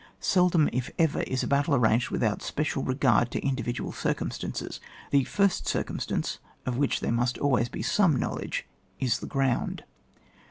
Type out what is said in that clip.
Seldom, if ever, is a battle ar ranged without special regard to indivi dual circumstances. The first circum stance, of which there must always be some knowledge, is the ground. 518.